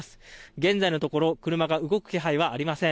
現在のところ車が動く気配はありません。